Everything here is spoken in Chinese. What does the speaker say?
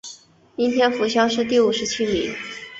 应天府乡试第五十七名。